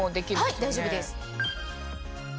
はい大丈夫です。